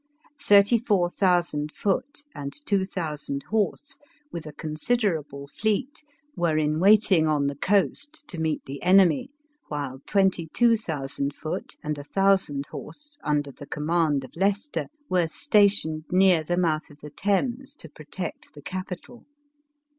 Thirty four thousand foot and two thou sand horse, with a considerable fleet, were in waiting on the coast, to meet the enemy, while twenty two thousand foot and a thousand horse, under the com mand of Leicester, were stationed near the mouth of the Thames to protect the capital.